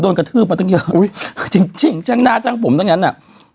โอ้จริงฉั่งหน้าฉั่งผมทั้งนั้นน่ะ